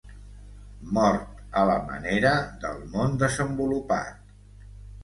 Mort a la manera del món desenvolupat.